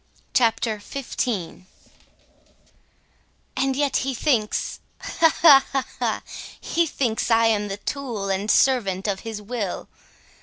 CHAPTER XV And yet he thinks,—ha, ha, ha, ha,—he thinks I am the tool and servant of his will.